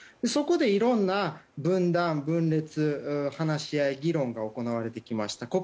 そこでいろんな分断、分裂、話し合い、議論が行われてきました。